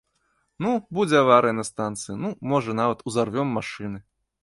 Ну, будзе аварыя на станцыі, ну, можа, нават узарвём машыны.